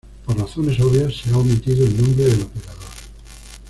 Por razones obvias, se ha omitido el nombre del operador.